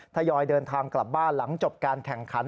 ทยอยเดินทางกลับบ้านหลังจบการแข่งขัน